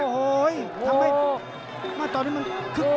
โดนท่องโดนท่องมีอาการ